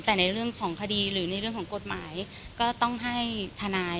แต่ในเรื่องของคดีหรือในเรื่องของกฎหมายก็ต้องให้ทนาย